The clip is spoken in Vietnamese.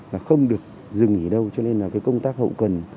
và không được dừng ở đâu cho nên công tác hậu cần